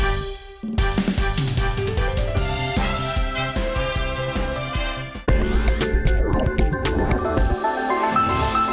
ยังโอ๊ยยังไม่ได้พูดยังไม่ได้ถามเลย